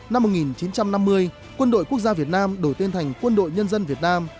năm một nghìn chín trăm năm mươi quân đội quốc gia việt nam đổi tên thành quân đội nhân dân việt nam